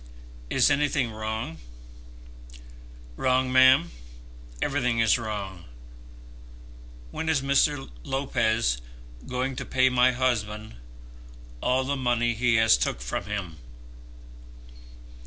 "Is anything wrong?" "Wrong, ma'am! Everything is wrong. When is Mr. Lopez going to pay my husband all the money he has took from him?"